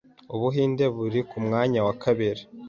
Ubuhinde buri ku mwanya wa kabiri